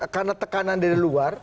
karena tekanan dari luar